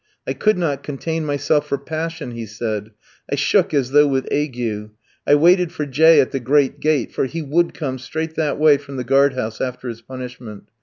"I could not contain myself for passion," he said, "I shook as though with ague. I waited for J ski at the great gate, for he would come straight that way from the guard house after his punishment.